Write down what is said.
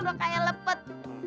udah kayak lepet